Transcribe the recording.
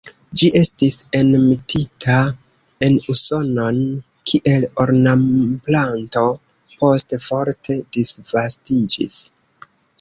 Ĝi estis enmetita en Usonon kiel ornamplanto, poste forte disvastiĝis.